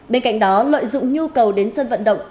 bên cạnh đó lợi dụng nhu cầu đến sân vận động